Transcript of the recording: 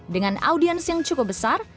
dengan audiens yang cukup besar